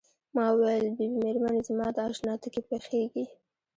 ما وویل بي بي مېرمنې زما د اشنا تیکې پخیږي.